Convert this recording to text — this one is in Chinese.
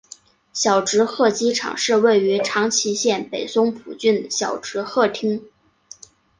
小值贺机场是位于长崎县北松浦郡小值贺町。